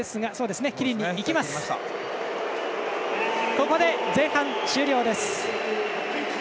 ここで前半終了です。